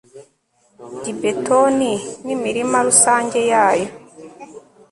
gibetoni n'imirima rusange yayo